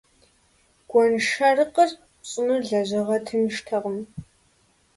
Гуэншэрыкъыр пщӀыныр лэжьыгъэ тынштэкъым.